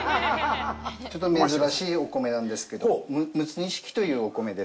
ちょっと珍しいお米なんですけど、ムツニシキというお米です。